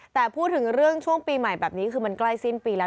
แต่พูดถึงเรื่องช่วงปีใหม่แบบนี้คือมันใกล้สิ้นปีแล้ว